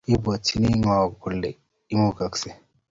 Kibwatyini ngo kole imugaskei?